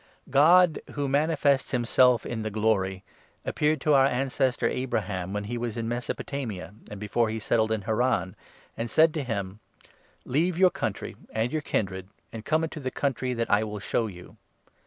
God, who manifests himself in the Glory, appeared to our an cestor Abraham, when he was in Mesopotamia, and before he settled in Haran, and said to him —' Leave your country 3 and your kindred, and come into the country that I will show you.'